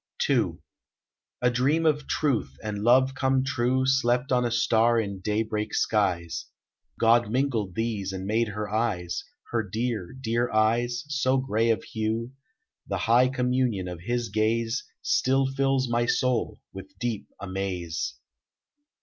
II. A dream of truth and love come true Slept on a star in daybreak skies: God mingled these and made her eyes, Her dear, dear eyes, So gray of hue, The high communion of His gaze Still fills my soul with deep amaze.